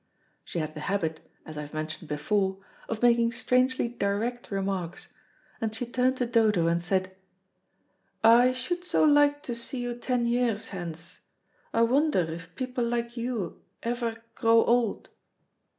She had the habit, as I have mentioned before, of making strangely direct remarks, and she turned to Dodo and said: "I should so like to see you ten years hence. I wonder if people like you ever grow old."